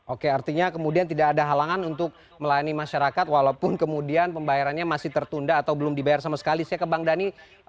oke artinya kemudian tidak ada halangan untuk melayani masyarakat walaupun kemudian pembayarannya masih tertunda atau belum dibayar sama sekali saya ke bang dhani